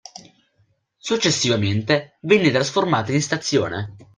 Successivamente venne trasformata in stazione.